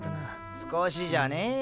少しじゃねえよ。